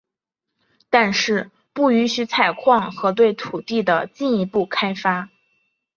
但是不允许采矿和对土地的进一步开发。